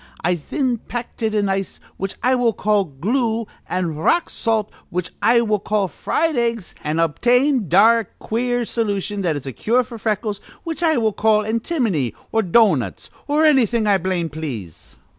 I thin packed it in ice, which I will call glue, an' rock salt, which I will call fried eggs, an' obtained a dark, queer solution that is a cure f'r freckles, which I will call antimony or doughnuts or annything I blamed please.'